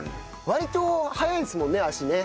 割と早いですもんね足ね。